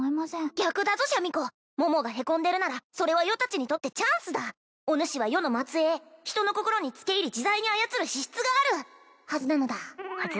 逆だぞシャミ子桃がへこんでるならそれは余達にとってチャンスだおぬしは余の末裔人の心に付け入り自在に操る資質があるはずなのだはず？